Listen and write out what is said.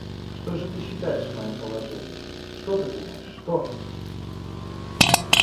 Что же ты считаешь о моем положении, что ты думаешь, что?